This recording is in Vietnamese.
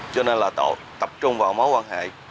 cho nên là tập trung vào mối quan hệ